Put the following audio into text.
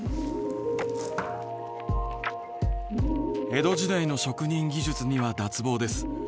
「江戸時代の職人技術には脱帽です。